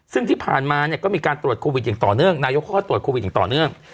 ซึ่งที่ผ่านมาเนี่ยก็มีการตรวจโควิดอย่างต่อเนื่องนายกเขาก็ตรวจโควิดอย่างต่อเนื่อง